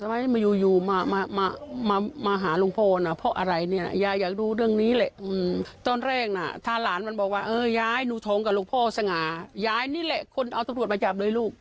มาอยู่มามามามามาหาลูกพ่อนะเพราะอะไรเนี่ยอยากรู้เรื่องนี้เลยตอนแรกน่ะท่านหลานมันบอกว่าย้ายหนูท้องกับลูกพ่อสง่าย้ายนี่เลยคนเอาตรวจมาจับเลยลูก